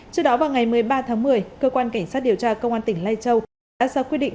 trước đó vào ngày một mươi ba tháng một mươi cơ quan cảnh sát điều tra công an tỉnh lai châu đã ra quyết định